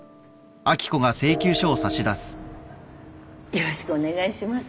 よろしくお願いします。